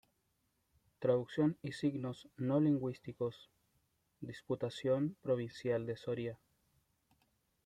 Traducción y signos no lingüísticos", Diputación provincial de Soria.